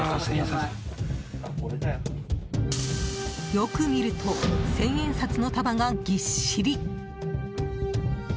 よく見ると千円札の束がぎっしり。